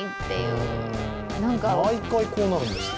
毎回こうなるんですって。